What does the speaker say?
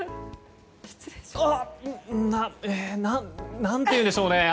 何ていうんでしょう。